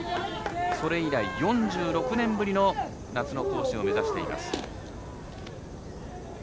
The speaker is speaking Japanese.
それ以来、４６年ぶりの夏の甲子園を目指しています。